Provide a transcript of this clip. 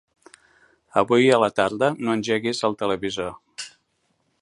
Avui a la tarda no engeguis el televisor.